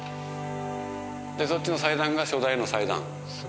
でそっちの祭壇が初代の祭壇。